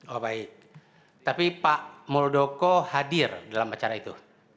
oh baik tapi pak muldoko hadir dalam acara itu